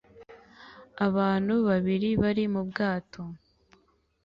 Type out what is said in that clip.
Abantu babiri bari mu bwato